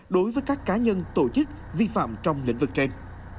đối với các cá nhân tổ chức vi phạm trong lĩnh vực trên